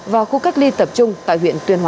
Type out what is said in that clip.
vào khu cách ly tập trung tại huyện tuyên hóa